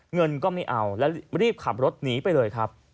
เงินก็ไม่เอาแล้วรีบขับรถหนีไปเลยครับ